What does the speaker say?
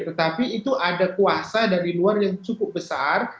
tetapi itu ada kuasa dari luar yang cukup besar